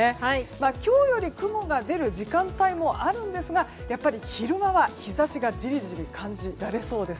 今日より雲が出る時間帯もあるんですがやっぱり昼間は日差しがじりじり感じられそうです。